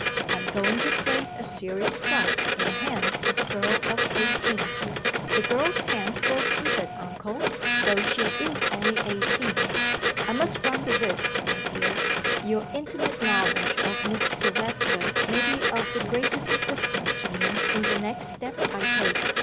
I am going to place a serious trust in the hands of a girl of eighteen." "The girl's hands will keep it, uncle though she is only eighteen." "I must run the risk, my dear; your intimate knowledge of Miss Silvester may be of the greatest assistance to me in the next step I take.